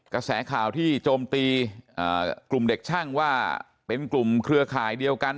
กระแสข่าวที่โจมตีกลุ่มเด็กช่างว่าเป็นกลุ่มเครือข่ายเดียวกัน